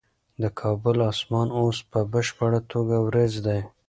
د کابل اسمان اوس په بشپړه توګه وریځ دی.